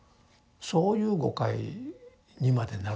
そういう誤解にまでなるわけですね。